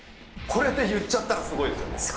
これで言っちゃったらすごいですよね。